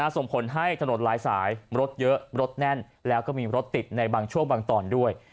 ส่งผลให้ถนนหลายสายรถเยอะรถแน่นแล้วก็มีรถติดในบางช่วงบางตอนด้วย